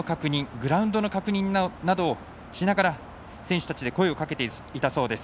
グラウンドの確認などしながら選手たちで声をかけていたそうです。